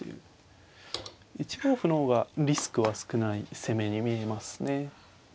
１五歩の方がリスクは少ない攻めに見えますね。